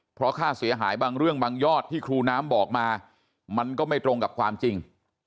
เพราะค่าเสียหายบางเรื่องบางยอดที่ครูน้ำบอกมามันก็ไม่ตรงกับความจริง